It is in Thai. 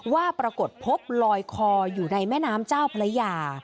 ว่าปรากฏพบลอยคออยู่ในแม่น้ำเจ้าพระยา